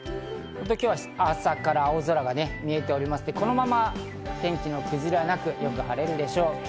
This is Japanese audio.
今日は朝から青空が見えておりまして、このまま天気の崩れはなく、よく晴れるでしょう。